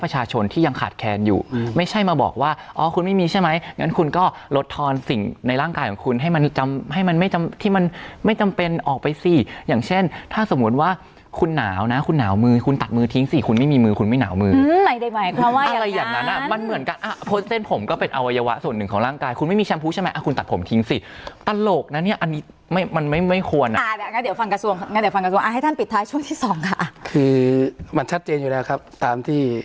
กาชนที่ยังขาดแค้นอยู่อืมไม่ใช่มาบอกว่าอ๋อคุณไม่มีใช่ไหมงั้นคุณก็ลดทอนสิ่งในร่างกายของคุณให้มันจำให้มันไม่จำที่มันไม่จำเป็นออกไปสิอย่างเช่นถ้าสมมุติว่าคุณหนาวนะคุณหนาวมือคุณตัดมือทิ้งสิคุณไม่มีมือคุณไม่หนาวมืออื้อไม่ได้ไหมเพราะว่าอะไรอย่างนั้นอะมันเหม